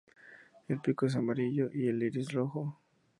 El pico es amarillo y el iris rojo.